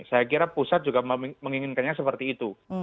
saya kira pusat juga menginginkannya seperti itu